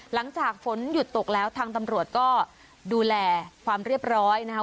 หลังจากฝนหยุดตกแล้วทางตำรวจก็ดูแลความเรียบร้อยนะคะ